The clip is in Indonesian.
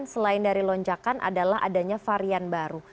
selain dari lonjakan adalah adanya varian baru